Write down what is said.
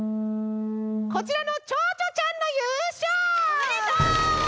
こちらのちょうちょちゃんのゆうしょう！